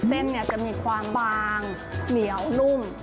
เส้นจะมีความบางเหนียวลุ่ม